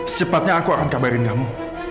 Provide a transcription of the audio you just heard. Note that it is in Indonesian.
secepatnya aku akan kabarin kamu